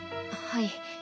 はい。